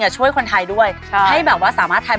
ใช่